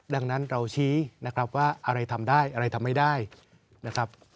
ดังนั้นเราชี้นะครับว่าอะไรทำได้อะไรทำไม่ได้นะครับ